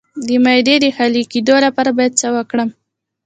د معدې د خالي کیدو لپاره باید څه وکړم؟